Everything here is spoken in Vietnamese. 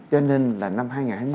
cho nên là năm hai nghìn hai mươi